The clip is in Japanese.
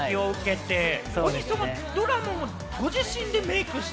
ドラマもご自身でメイクして？